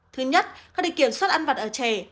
thứ nhất có để kiểm soát ăn vặt ở trẻ